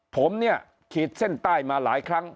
ผมเนี่ยขีดเส้นใต้มาหลายครั้ง